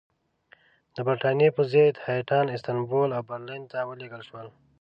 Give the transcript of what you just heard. برټانیې پر ضد هیاتونه استانبول او برلین ته ولېږل شول.